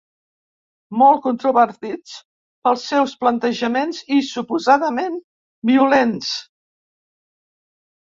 Molt controvertits pels seus plantejaments i suposadament violents.